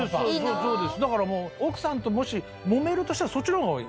だからもう奥さんともしもめるとしたらそっちの方が多い。